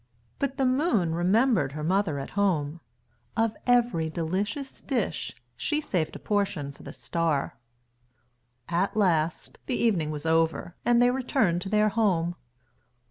But the Moon remembered her mother at home. Of every delicious dish she saved a portion for the Star. At last the evening was over and they returned to their home.